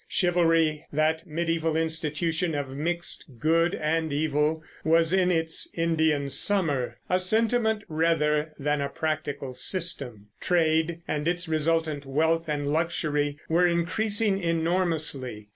Chivalry, that mediæval institution of mixed good and evil, was in its Indian summer, a sentiment rather than a practical system. Trade, and its resultant wealth and luxury, were increasing enormously.